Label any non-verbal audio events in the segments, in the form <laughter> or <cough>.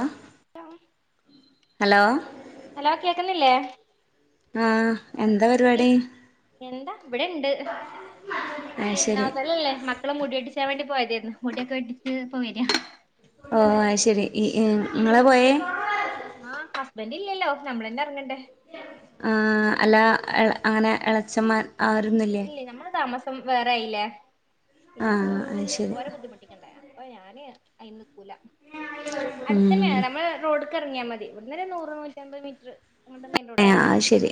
ഹ hello hello കേക്കുന്നില്ലേ ആഹ എന്താ എന്തൊക്കെ പരിപാടി എന്താ ഇവ്ടെണ്ട് ആഹ് ശരി പെരുന്നാതല്ലല്ലേ മ ക്കളെ മുടിട്ടിച്ചാൻ വേണ്ടി പോയതേർന്ന് മുടിക്കെ വെട്ടിച്ച് ഇപ്പൊ വര്യ ഓ ആഹ്ശരി ഇ ഇ ങ്ങളാ പോയേ ആഹ് ഹസ്ബന്റില്ലല്ലോ നമ്മളന്നെ എറങ്ങണ്ടേ ആ അല്ലാ എള അങ്ങനെ എച്ഛൻമാറ് അവരൊന്നുല്ലേ ഞമ്മള് താമസം വേറെ ആയില്ലേ പിന്നെപ്പോ ആഹ് അത് ശരി ഒരേ ബുദ്ധിമുട്ടിക്കണ്ടല്ലോ അപ്പൊ ഞാന് അയിന് നിക്കൂല അടുത്തന്യാ ഉം നമ്മള് ഇറങ്ങിയാ മതി വടുന്നെന്നെ നൂറ് നൂറ്റിമ്പത് മീറ്ററ് എ ആഹ് ശരി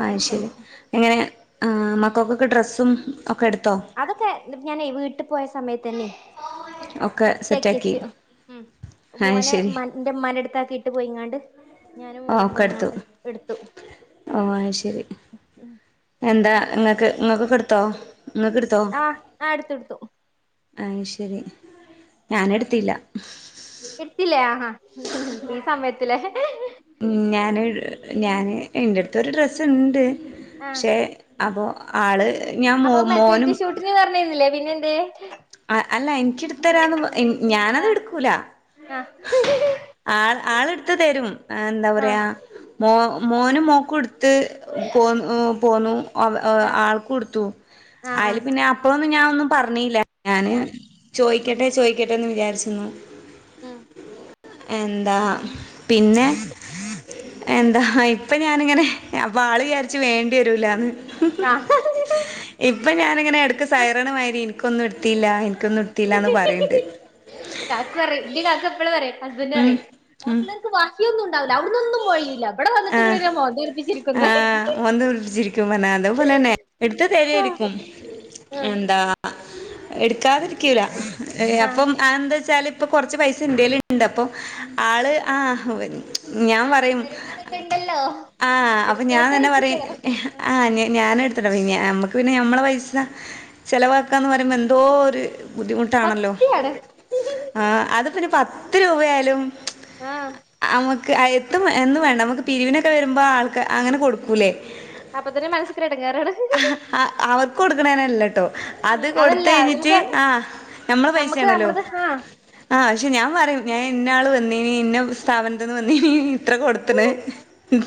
ആ ശരി അടുത്തുണ്ട് എങ്ങനെ മക്കൊക്കൊക്കെ ഡ്രസ്സും ഒക്കെ എടുത്തോ അതൊക്കെ ഞാനേ വീട്ട് പോയ സമയത്തെന്നെ സെറ്റാക്കി വെച്ച്ണും ഉം അത് മോനെ ശരി ഉമ്മാ എന്റുമ്മാന്റടുത്താക്കി പോയിങ്ങാണ്ട് ഞാനും ഓ മോളും ഒക്കെടുത്തു പോയിങ്ങാണ്ട് എടുത്തു ഓ ആഹ് ശരി ഉം എന്താ ങ്ങക്ക് ങ്ങക്കൊക്കെ എടുത്തോ ങ്ങക്കെട് ആഹ് ആ എടുത്ത് എടുത്തു ആഹ് ശരി ഞാനെടുത്തില്ല എട്ത്തീലേ ഈ സമയത്ത് ലെ ഹെ ഹെ ഉം ഞാന് ഞാന് ഇന്റെടുത്തൊരു ഡ്രസ്സ്ണ്ട് ആഹ് പക്ഷെ <unintelligible> ആള് ഞാൻ മോ അപ്പൊ മറ്റേണിറ്റി മോനും ഷൂട്ടിന് പറഞ്ഞ്രുന്നില്ലേ പിന്നെ എന്തേ അല്ല എനിക്ക് എടുത്തരാമെന്ന് ഞാനത് ആഹ് എടുക്കൂല ആഹ് ആൾ ആളെടുത്ത് തരും എന്താ ആഹ് പറയാ മോ മോനും മോക്കും എടുത്ത് പോന്ന് പോന്നു ആഹ് ആൾക്ക് കൊടുത്തു ആഹ് അയില് ആഹ് പിന്നെ അപ്പോളൊന്നും ഞാൻ ഒന്നും പറഞ്ഞില്ല ഞാന് ആഹ് ചോയിക്കട്ടെ ചോയിക്കട്ടെന്ന് വിചാരിച്ചു ആഹ് എന്താ പിന്നെ എന്താ ഇപ്പൊ ഞാനിങ്ങനെ അപ്പൊ ആള് വിചാരിച്ച് വേണ്ടി വരൂലാന്ന് ആഹ് ഇപ്പൊ ഞാനിങ്ങനെ എടക്ക് സൈറണ് മാതിരി ഇനിക്കൊന്നും എടുത്തില്ല ഇനിക്കൊന്നും ടത്തില്ലാന്ന് പറയ്ണ്ട് ഉം ഉം <unintelligible> ബാക്കിയൊന്നും ണ്ടാവില്ല <unintelligible> ആഹ് ആഹ് ഓൻന്ന് വിളിച്ചിരിക്കും പറഞ്ഞാണ് അതേ പോലെന്നെ എടുത്ത് ആഹ് തരരിക്കും. ആഹ് എന്താ എടുക്കാതിരിക്കൂല ആഹ് അപ്പം ആന്താച്ചാല് പ്പൊ കൊറച്ച് പൈസ ൻ്റെലുംണ്ട് അപ്പോ ആള് ആഹ് ഞാൻ ആഹ് പറയും വരുമാനൊക്കെ ഇണ്ടല്ലോ ആഹ് അപ്പൊ ഞാൻ എടുത്തോട്ടെ തന്നെ പറയും വെച്ചിട്ട് ആഹ് ഞാന ഞമ്മക്ക് പിന്നെ ഞമ്മളെ പൈസ ചെലവാക്കാന്ന് പറയുമ്പോ ന്തോ ഒരു ബുദ്ധിമുട്ടാണല്ലോ പത്തിയാണ് ആഹ് അത് പിന്നെ പത്ത് രൂപയാലും ആഹ് നമുക്ക് എത്തും എന്നും വേണ്ട നമുക്ക് പിരിവിനൊക്കെ വരുമ്പോ ആൾക്ക് അങ്ങനെ കൊടുക്കൂലേ അപ്പൊ തന്നെ മനസ്സക്ടങ്ങാറാണ് അവർക്ക് കൊടുക്കണേനല്ലട്ടോ അത് ഉം കൊടുത്ത് അതല്ല കഴിഞ്ഞിട്ട് നമുക്ക് ആ നമ്മള നമ്മക്ക് പൈസയാണല്ലോ നമ്മളത് ആഹ് ആ പക്ഷെ ഞാൻ പറയും ഞാൻ ഇന്ന ആൾ വന്നീനി ഇന്ന സ്ഥാപനത്തിന്ന് വന്നീനി ഇത്ര കൊടുത്ത്ണ്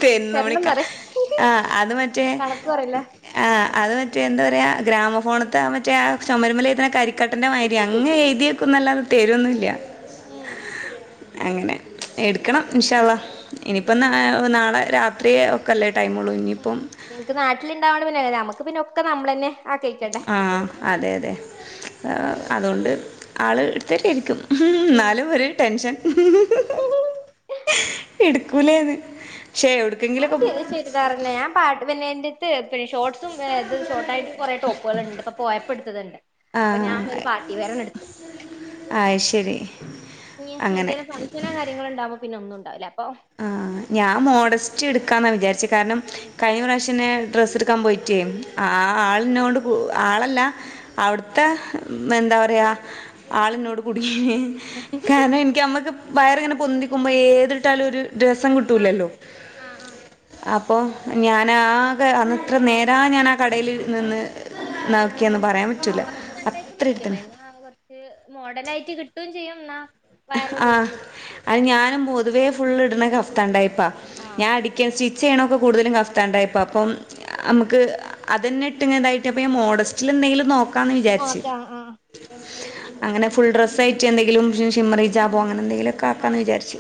തെന്നളിക്ക തരണംന്ന് പറയാ ആഹ് അത് മറ്റേ കണക്ക് പറയില്ല ആ അത് മറ്റേ എന്താ പറയാ ഗ്രാമഫോണത്തെ മറ്റേ ചോമരുമ്മൽ എയുതുന്ന കരിക്കട്ടന്റെ മാര്യാ അങ്ങ് എയുതി വെക്കുന്നല്ലാണ്ട് തരുന്നുല്ല ഉം അങ്ങനെ എടുക്കണം ഉം ഇൻഷാള്ള ഇനിപ്പ ഉം നാളെ രാത്രിയെ ക്കല്ലേ ടൈമുള്ള ഇഞ്ഞി ഉം ഇപ്പം നിങ്ങക്ക് നാട്ടിലണ്ടാവ പിന്നെ നമുക്ക് പിന്നെക്കെ നമ്മള തന്നെ ആ അതെ അതെ അതുകൊണ്ട് ആള് എടുത്തിട്ടായിരിക്കും ഉം എന്നാലും ഒരു ടെൻഷൻ എടുക്കൂലേന്ന് ക്ഷേ എടു ആഹ് ശരി ശരി പറഞ്ഞ ഞാൻ പാട്ട് പിന്നെ എന്റെ പിന്നെ ഷോർട്ട്സും ഇത് ഷോർട്ടായിട്ട് കുറേ ടോപ്പുകളുണ്ട് ഇപ്പൊ പോയപ്പെടുത്തത്ണ്ട് ആ അപ്പൊ ഞാൻ ഒരു പാർട്ടി വേറ് തന്നെ എടുത്തു അത് ശരി ഇനി അങ്ങനെ എന്തേലും ഫംഗ്ഷനോ കാര്യങ്ങണ്ടാവ്മ്പോ പിന്നെ ഒന്നും ഉണ്ടാവില്ല അപ്പൊ ആ ആഞാൻ മോഡസ്റ്റ് ഇടുക്കാന്നാ വിചാരിച്ചത് കാരണം കഴിഞ്ഞ പ്രാവശ്യനെ ഡ്രസ്സ് എടുക്കാൻ പോയിറ്റെ ആ ആളന്നൊണ്ട് ആളല്ല അവിടുത്തെ എന്താ പറയാ ആളിനോട് കൂടി കാരണം എനിക്ക് അമ്മക്ക് വയറിങ്ങനെ പൊന്തിക്കുമ്പോ ഏതിട്ടാലും ഒരു രസം ആഹ് കിട്ടൂലല്ലോ ആഹ് ആഹ് അപ്പോ ഞനാകെ അന്നത്ര നേരാ ഞാൻ ആ കടേൽ നിന്ന് നോക്കിയെന്ന് പറയാം പറ്റ ഫപ്പ് നോക്കിയമ്മ കുറച്ച് മോഡേൺ ആയിട്ട് കിട്ടുകയും ചെയ്യും എന്നാ വയറൊതുങ്ങി ആഹ്‌ നിക്കും അത് ഞാനും പൊതുവേ ഫുള്ള് ഇടണ കഫ്താണ്ടായിപ്പാ ആഹ് ഞാൻ ക്കസ്റ്റിച്ച് ചെയ്യണോക്കെ കൂടുതലും കഫത്താണ്ടായപ്പോ അപ്പം നമുക്ക് അത് തന്നെ ഇട്ടുതായിട്ട് അപ്പ മോഡസ്റ്റിൽ എന്തെങ്കിലും നോക്ക ക്കന്നവിചാരിച്ച്. ഓക്കെ ആഹ് ആഹ് അങ്ങനെ ഫുൾ ഡ്രസായിട്ട് എന്തെങ്കിലും ജാബോ അങ്ങനെന്തെങ്കിലൊക്കെ ആക്കാന്ന് വിചാച്ചു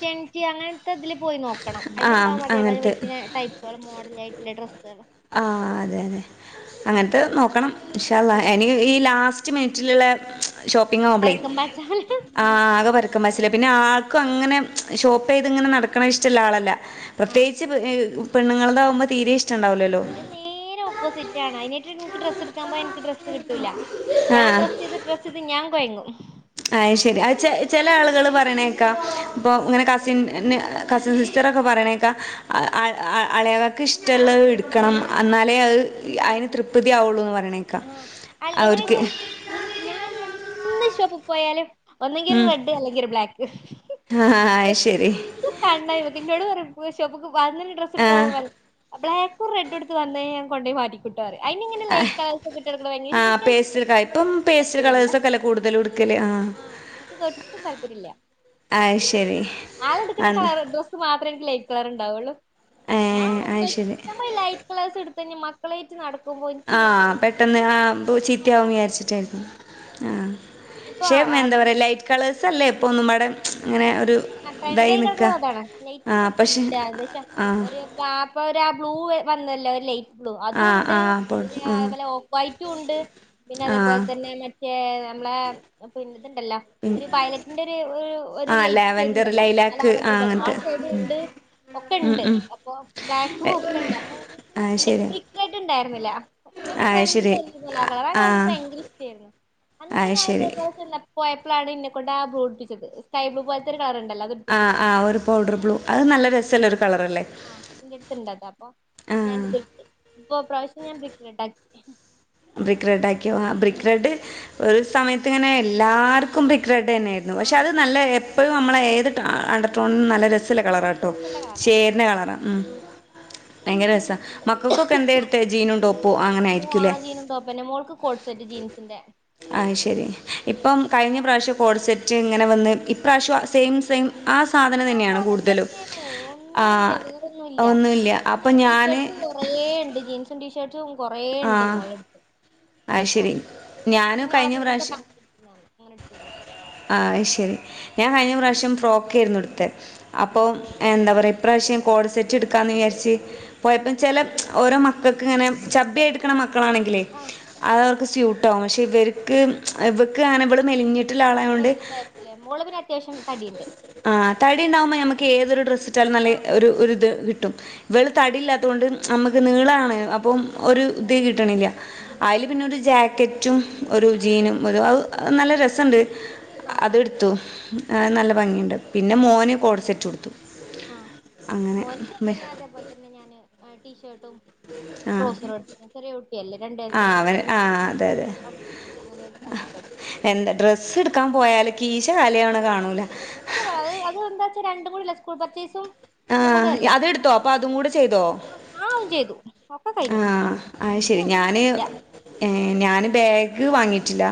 ടെൻറ്റി അങ്ങനത്തെ ഇതിൽ പോയി നോക്കണം ആ അതിലുണ്ടാവും അതേപോലെ അങ്ങനത്തെ പറ്റണ ടൈപ്പുകൾ മോഡല ആയിട്ടുള്ള ഡ്രസ്സുകൾ ആഹ്‌ അതെ അതെ അങ്ങനത്തെ നോക്കണം ഇൻഷാ അള്ളാ ഉം എനി ഈ ലാസ്റ്റ് റ്റ്മിനിറ്റിലുള്ള ഷോപ്പിംഗ കുമ്പളേ എറക്കം പാച്ചാല് ആഹ്‌ ആകെ പരക്കും പസ്സില്ല പിന്നെ ആൾക്കും അങ്ങനെ ഷോപ്പ് ചെയ്ത് ഇങ്ങനെ നടക്കണ ഇഷ്ടമുള്ള ആളല്ല ആഹ് പ്രത്യേകിച്ച് പണ്ണുങ്ങളൾാവുമ്പ തീരെ ഇഷ്ടണ്ടാവല്ലല്ലോ നിന്റെ നേരെ ഓപ്പോസിറ്റ് ആണ് അതിനട്ട് നിനിക്ക് ഡ്രസ്സ് എടുക്കാൻ പോ എനിക്ക് ഡ്രസ്സ് കിട്ടൂല്ല ഞാൻ ആഹ് ഡ്രസ്സ് ചെയ്ത് ഡ്രസ്സ് ചെയ്ത് ഞാൻ കൊയങ്ങും അയ് ശരി ആഹ്‌ ച ചില ആളുകൾ പറയണേക്കാ ഇപ്പൊ ഇങ്ങനെ കസി കസിൻ സിസ്റ്റർക്കെ പറയണേക്കാ അളയാൾക്ക് ഇഷ ഇഷ്ടമുള്ളത് എടുക്കണം എന്നാലേ അത് അതിന് തൃപ്തിയാവുള്ളൂ എന്ന് പറയണേ ക്ക. ആഹ് അല്ല എങ്ങനെ അവർക്ക് വെച്ചാല് ഞാൻ എന്ന് ഷോപ്പിൽ പോയാലും ഒന്നെങ്കിൽ ഉം റെഡ് അല്ലെങ്കിൽ ബ്ലാക്ക് ആഹ് അത് ശരി ഇത് കണ്ട എന്നോട് പറയു പോയി ഷോപ്പിക്ക് പോവാ ഡ്രസ് എടുക്കാ ആഹ് പോൻ ബ്ലാക്കും റെഡുടുത്ത്വവന്ന ഞാൻ കൊണ്ട പോയി മാറ്റിക്കട്ടാറ് അതിന്ങ്ങനെ ആഹ് ലൈറ്റ് കളേഴ്സ്കഇട്ട ടുക്കണ ആഹ് പേസ്റ്റൽ കള എനിക്കാനോട് ഇപ്പം ഒട്ടും പേസ്റ്റൽ താല്പര്യംല്ല കളേഴ്സൊക്കെല്ലേ കൂടുതലും എടുക്കല് ആഹ് ആ ട്ടും താല്പര്യില്ല അത് ശരി ആളെ എടുക്കണ അന്ത കള മാത്രേ എനിക്ക് ലൈറ്റ് <unintelligible> ക്കളറ്ണ്ടാവോള്ളൂ ഏഹ് അത് ശരി ക്ലാസ് ഇട്ത്തയ്ഞാ മക്കളായിട്ട് നടക്കുമ്പോ ഇൻക്ക് ആഹ് പെട്ടെന്ന് ആ ചീത്ത ആവുന്ന വിചാരിച്ചിട്ട് ആഹ് ആഹ് പക്ഷേ എന്താ ഇപ്പൊ പറയലെ കളേഴ്സ ല്ലേ ഇപ്പോ ഒന്നും പാടെ അങ്ങനെ ഒരു ആഹ് ടെൺ ഇതായി ണ്ടായി നിക്ക <unintelligible> അതാണ് നൈറ്റിന്റെ ആഹ് പക്ഷെ ട്ത്തുണ്ട് ഏകദേശം ആഹ് ഒരു ഞാപ്പൊ രാ ബ്ലൂ വന്നല്ലോ ല്ലേ ആഹ് അതുണ്ട് ആഹ് പിന്നെ അതൊലെ ഓഫയ്റ്റുംണ്ട് പിന്നെ അതേപോലെ ആഹ് തന്നെ മ കെ നമ്മളെ പിന്നെ തിണ്ടല്ലോ ഒരു വയ്ലറ്റിന്റെ ഒര് ഒരു ആഹ് ലൈറ്റ് ലാവൻഡർ ഇൻണ്ടല്ലാ ആ ലൈലാക്ക് ലാവൻണ്ടി ആഹ് <unintelligible> ആ അങ്ങനത്തെ സൈഡ് ഉണ്ട് ഒക്കെ ഉം ണ്ട് ഉം അപ്പൊ ബേക് ഒക്കെണ്ട് അപ്പൊ അത് ഇന്റെട്ത്ത് ശരി ബ്രിക്ബെയ്ട് ണ്ടായിരുന്നില്ല ഇപ്പൊ ഒര് അത് ട്രെൻഡില് ശരി <unintelligible> ആഹ് ഭയങ്കര ഇഷ്ടെനി അന്ന്പ്പോ അത് ഞാൻ ശരി <unintelligible> പ്പോയപ്പളാണ്ണ്ന്നെ കൊണ്ട് ആ ബ്ലുടിപ്പിച്ചത് സ്കൈ ബ്ലൂ പോലത്തെ ഒരു കളറ്ണ്ടല്ലോ അ ആഹ് ആഹ് ഒര് പൗഡർ ബ്ലൂ അത് നല്ല രസല്ല ഒര് കളറല്ലേ ഇന്റെ ട്ത്ത്ണ്ടത പ്പൊ ആഹ് ഞാനിത്ട്ട് ഇപ്പൊ പ്രാവശ്യം ഞാൻ ബ്രിക് റെഡാക്കി ബ്രിക്ക് റെഡ് ആക്കിയോ ആ ബ്രിക്ക് റെഡ് ഒരു സമയത്ത് ങ്ങനെ എല്ലാർക്കും ബ്രിക്ക് റെഡ് ന്നെ ആ പക്ഷെ അത് നല്ല എപ്പഴും നമ്മളെ ഏത് അണ്ടർ ടോണിനും നല്ല രസ ത്ത്‌ല്ലേ കളറാട്ടോ രസള്ള കളറാ ചേര്ന കളറാ ഉം ഭയങ്കര രസാ മക്കക്കൊക്കെ എന്തെയിട്ത്ത്തെ ജീനും ടോപ്പും അങ്ങനെ ആയിരിക്കുല്ലേ ജീനും ടോപ്പോന്നെ മോൾക്ക് കോട് സെറ്റ് ജീൻസിന്റെ അഹ് ശരി ഇപ്പം കഴിഞ്ഞ പ്രാവിശ്യം കോഡ് സെറ്റ് ങ്ങനെ വന്ന് ഇപ്രാവിശ്യം സെയിം സെയിം ആ സാധനം ആ തന്നെയാണ് സാധനം കൂടുതലും തന്നെയാണ് ഒന്നുല്ല ആഹ് ഒന്നുല്ല അപ്പം ഞാന് കൊറെ ണ്ട് ജീൻസും ടീഷർട്ടും കൊറെ ആ ണ്ട് മോളെ ട്ത്ത് ഞാ അത് പ്പോ ശരി ഞാൻ പിന്നെ ഓളെ കഴിഞ്ഞ ഫ്രണ്ട്സൊക്കെ അങ്ങനെ ട് ത്ത് പോന്നു ആഹ് അഹ് ശരി ഞാൻ കഴിഞ്ഞ പ്രാവിശ്യം ഫ്രോക്കെ യിരുന്നു ട്ത്തെ അപ്പോ ആ എന്താ പറ പ്രാവിശ്യം കോഡ്സെറ്റ് ട്ക്കാന്ന് വിചാരിച്ച് പോയപ്പം ച്ചെല ഓരോ മക്കക്ക് ങ്ങനെ ചബിയെട്ക്ക്ണ മക്കളാണെങ്കിലേ ആ അതൊക്കെ സ്യൂട്ടാകും പക്ഷെ ഇവർക്ക് ഇവെക്ക് അങ്ങനെ ഇവള് മെലിഞ്ഞിട്ട് വൈകിട്ടായ്ര്കുല്ലേ മോള് പിന്നെ അത്യാവശ്യം തടിയ്ണ്ട് ആഹ് തടി ണ്ടാവുമ്പോ നമ്മക്ക് ഏതൊരു ഡ്രസ്സിട്ടാലും നല്ല ആഹ് ഒരു ഇത് കിട്ടും വെള് തടില്ലാത്തോണ്ട് നമ്മക്ക് നീളാണ് അപ്പം ഒരു ആഹ് ഇത് കിട്ട്ണില്ല അയ്ല് പിന്നെ ഒര് ജാക്കറ്റും ഒരു ജീനും ഒരു അത് നല്ല രസണ്ട് ആഹ് അത് ആഹ് ട്ത്തു നല്ല ഭംഗിണ്ട് പിന്നെ മോന് കോഡ് സെറ്റു ട്ത്തു ആഹ് മോൻക് പിന്നെ അതേപോലെ തന്നെ ഞാന് ടീഷർട്ട് ട്ടും ആ ടൗസറാട്തെ ചെറിയെ കുട്ടിയല്ലേ രണ്ട ആ അവൻ വെയസായിട്ടില്ലേള്ളു ആ അതെ അതെ <unintelligible> അങ്ങ് അങ്ങനെ അങ്ങൻത്തെ എന്താ ഡ്രസ്സ് ട്ക്കാൻ പോയാല് കീശകാലിയാക്ണത് കാണൂല അത് അത് എന്താച്ചാ രണ്ടും കൂടില്ലേ സ്കൂൾ പർച്ചേസും ആ തും കൂടെയല്ലേ അതെടുത്തോ അപ്പൊ അതും കൂടെ ചെയ്തോ ആഹ് ഓൻ ചെയ്തു അപ്പ കഴ്ഞ്ഞു നി ഒന്നുംല്ല ഏഹ്ഞാന് ബെഗ് വാങ്ങിറ്റില്ല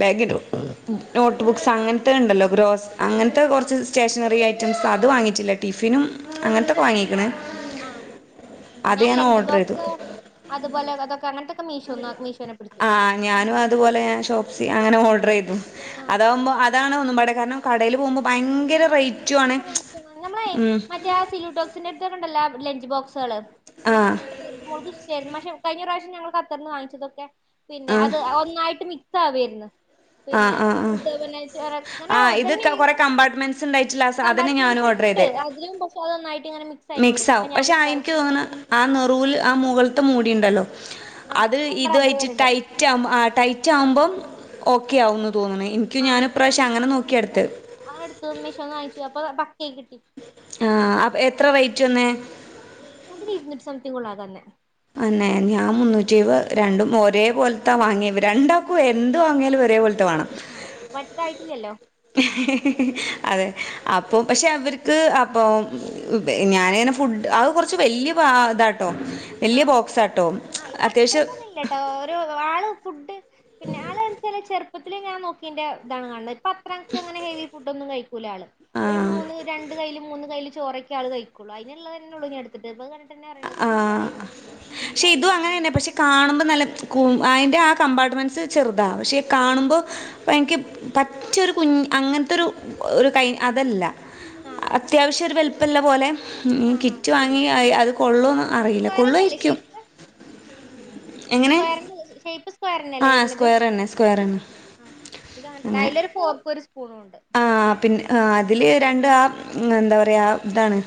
ബേഗ്ടും നോട്ട്ബുക്സ് അങ്ങൻത്തെ ണ്ടല്ലോ ഗ്രോസ് അങ്ങനെ ആഹ് കൊറ്ച്ച് സ്റ്റേഷനറി ഐറ്റംസ് അത് വാങ്ങിയിട്ടില്ല ടിഫിനും അങ്ങനത്തൊക്കെ വാങ്ങീക്ണ് ആഹ് ഞാൻ ലഞ്ച് ഓർഡർ ചെയ്തു ബോക്സ് അതുപോലെ അതൊക്കെ അങ്ങനത്തൊക്കെ മീഷോന്ന് മീഷോനെ പിടിച്ചു ആഹ് ഞാനും അതുപോലെ ഷോപ്പ്സി അങ്ങനെ ഓഡറെ യ്തു ആഹ് അതാകുമ്പോ അതാണ് ഒന്നും പാടെ കാരണം കടെല് പോകുമ്പോ ഭയങ്കര റേറ്റ് ഭയങ്കര റേറ്റ് നമ്മളെ മറ്റേ സിലൂട്ടോക്സിന്റെ ട് ത്തോക്കെണ്ടല്ലോ ലഞ്ച് ബോക്സുകള് ഞാൻ ആഹ് അങ്ങൻത്തെ ടൈപ് മോൾക്ക്‌ ഇഷ്ടായിരുന്നു പക്ഷെ കഴിഞ്ഞ പ്രാവശ്യം ഞങ്ങള് കത്തർന്ന് വാങ്ങിച്തൊക്കെ പിന്നെ ആഹ് അത് ഒന്നായ്ട്ട് മിക്സ് ആവെര്ന്ന് ആഹ് പിന്നെ ആഹ് ആഹ് ഫുഡ് <unintelligible> ഉണ്ട <unintelligible> കമ്പാർട്ട്മെന്റ്സ് ഉണ്ട് അതിലും പക്ഷെ അത് നന്നായിട്ട് ഇങ്ങനെ മിക്സ് ആയിക്കൊണ്ടിരുന്നു അപ്പൊ ആവും ഞാൻ പക്ഷെ ആഹ് എനിക്ക് ഇപ്രാവശ്യം തോന്ന ണ ആ നെറുല് ആ മുകളിലത്ത് മൂടിയുണ്ടല്ലോ ആ അത് അയിമ്മെ റബ്ബർ ഇത്യ്ട്ട് വര്ണ്ട് ടൈറ്റ് ആവു ആ ടൈറ്റ് ആ ആകുമ്പം ഓക്കെ ആകന്ന് തോന്നണ ക്ക്‌ ഞാൻ ഇപ്രാവശ്യം അങ്ങനെ നോക്കിയെടുത്ത് അഹ് എടുത്തു മീഷോന്ന് വാങ്ങിച്ചു അപ്പൊ പക്കയി കിട്ടി ആഹ് അപ എത്ര റേയ്റ്റ് വെന്ന് അതില് ഇരുന്നൂറ്റി സംതിങ് ഉള്ളാത തന്നെ അന്നെ ഞാൻ മുന്നൂറ്റവ് രണ്ടും ഒരേ പോലെത്താ വാങ്ങിയ രണ്ടാക്കും,, എന്ത്‌ വങ്ങിയാലും ഒരേ പോലത്തെ വേണം അഹ് ആപ്പ പറ്റതായിട്ടില്ലല്ലോ അതെ അപ്പൊ പക്ഷെ അവർക്ക് അപ്പൊ ഞാന ഇങ്ങനെ ഫുഡ് അത് കുറച്ച് വലിയ പാ ഇതാട്ടോ ആ വലിയ ബോക്സ്ട്ടോ അത്യാവശ്യം ഓ ഒരു ആള് ഫുഡ് പിന്നെ ആൾ വെച്ചൽ ചെറുപ്പത്തില് ഞാൻ നോക്കീന്റെ ഇതാണ് കാണത് പത്രക്കെ അങ്ങനെ ഹെവി ഫുഡ് ഒന്നും കഴിക്കൂല ആള് ഒരു ആ മൂന്ന് രണ്ട് കയ്ൽ മൂന്ന് കയ്യിൽ ചോറ,, ഒള് കഴക്കുള്ളൂ അതിനുള്ള തന്നെള്ളൂ അടുത്ത ടൈപ്പ് കണ്ടിട്ട് തന്നെ അറിയാണത് ആഹ് കയ്ച്ചിലായി പക്ഷെ ഇതും അങ്ങനെ തന്നെ പക്ഷെ കാണുമ്പോ നല്ലകൂ അയിന്റെ ആ കമ്പാർട്ട്മെന്റ്സ് ചെറുതാ പക്ഷെ കാണുമ്പോൾ ആഹ് എനിക്ക് പറ്റൊരു കുഞ് അങ്ങനത്തെരു ഒരു കൈ അതല്ല ആഹ് ആഹ് ത്യാവശ്യ ഒരു വൽപ്പള്ള പോലെ ആഹ് ആഹ് കിറ്റ് ഫീൽ വാങ്ങി ചെയ്യും അത് കൊള്ളുന്ന് അറിയില്ല സ്ക്വയറിനല്ലേ കൊള്ളുയിരിക്കും സ്ക്വയറി ഷേപ്പ് ആ പഞ്ഞല്ലേ വരുന്നത് സ്ക്വയർ തന്നെ സ്ക്വയർ തന്നെ ആ ഇത് അങ്ങനത്തെ അതിലൊരു ഫോർക്ക് ഒരു സ്പൂണും ഉണ്ട് ആഹ് പിന്നെ ആഹ് അതില് രണ്ട ആഹ് എന്താ പറയാ ഇതാണ്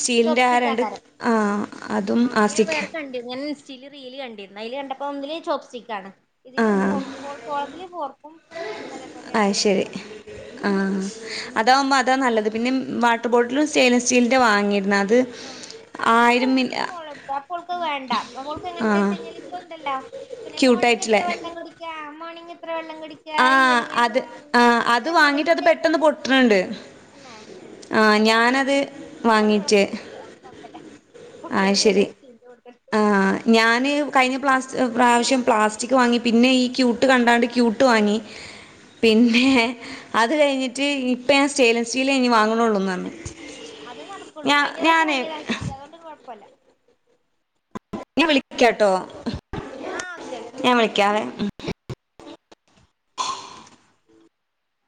സ്റ്റിലിന്റെ ആ ചോപ്സ്റ്റിക് രണ്ട് ആക്കാരം ആഹ് അതും ആസിഖ <unintelligible> ചിരി റീൽ കണ്ടിരുന്നു അതില് കണ്ടപ്പോ ഒന്നില് ചോപ്റ്റിക്ക ആണ് ഇതില് ആ ഫോർപ്പും ഓൾക്കളത്തില്ൽ ഫോർപ്പും അതേപോലെ അത് എതണ ശരി സ്പൂണും ആ അതാാവുമ്പോൾ അതാണ് നല്ലത് പിന്നെ വാട്ടർ ബോട്ടിലും സ്റ്റെയിൻലെസ് സ്റ്റീലിൻ്റെ വാങ്ങിയിരുന്നു അത് ആ ആയിരം മില്ലി അതെന്റെ മോളെട്ത്ത അപ്പോൾക്കഹ് വേണ്ട പഓൾക്ക് ആ എങ്ങനെത്തെച്ചയ്ഞ്ഞാല് ഇപ്പ ഉണ്ടല്ലോ. പിന്നെ മോർണിംഗ് എത്ര ക്യൂട്ടായിട്ടില്ലേ വെള്ളം കുടിക്ക മോർണിങ് എത്ര വെള്ളംകുടി ഞാ ആ ഇവന അത് ആ അത് ഞാൻ വാങ്ങിയിട്ട് അത് മറിട്ടേ പോ പെട്ടെന്ന് <unintelligible> പൊട്ടുന്നുണ്ട് തന്നെ ആ അത് ഞാനത് കഴിഞ്ഞിട്ട് പന്നുണ്ട് വാങ്ങിയിട്ട് ടസ്‌ക്. ഇല്ല അവോണ്ട് കൊഴ്പ്പല്ല കുട്ട്യേലും വലീലും സ്റ്റീലിന്റെ കുടക്കട് ആഹ് ഞാന് കഴിഞ്ഞ പ്ലാസ് പ്രാവശ്യം പ്ലാസ്റ്റിക് വാങ്ങി പിന്നെ ഈ ക്യൂട്ട് കണ്ടാണ്ട് ക്യൂ ട്ട് വാങ്ങി പിന്നെ അത് കഴിഞ്ഞിട്ട് ഇപ്പഞ സ്റ്റെയിൻലെ സ്റ്റീലെനി വാങ്ണൊള്ളൂ ന്നർഞ്. ഉം അത് നടക്ക്വള്ളൂ കയ്ഞ്ഞ റാവശ്യം വാങ്ങ്യത അതുകൊണ്ട് കൊഴപ്പല്ല ഞാ വിളിക്ക്യാട്ടോ. ആഹ് അക്കെ ഓക്കെ ഞാ വിളിക്ക്യാവേ. ഓ